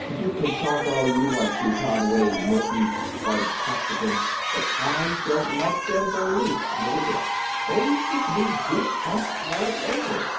"You can talk all you want to, Conway Murphy Spud Costigan, but I don't like them the least little bit. They give me goose bumps all over.